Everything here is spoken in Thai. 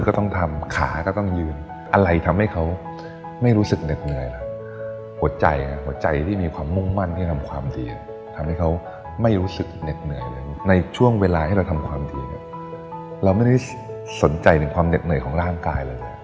ก็ต้องทำขาก็ต้องยืนอะไรทำให้เขาไม่รู้สึกเหน็ดเหนื่อยแล้วหัวใจหัวใจที่มีความมุ่งมั่นที่ทำความดีทำให้เขาไม่รู้สึกเหน็ดเหนื่อยเลยในช่วงเวลาที่เราทำความดีเนี่ยเราไม่ได้สนใจถึงความเหน็ดเหนื่อยของร่างกายเลย